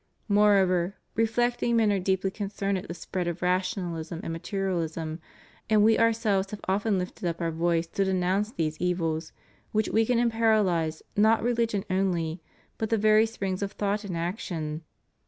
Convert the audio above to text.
Moreover, reflecting men are deeply concerned at the spread of rationalism and materialism, and We Our selves have often Ufted up Our voice to denounce these evils, which weaken and paralyze not religion only, but the very springs of thought and action.